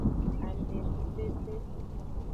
Amenuveve.